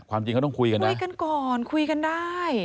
ความจริงก็ต้องคุยกันนะคุยกันก่อนคุยกันได้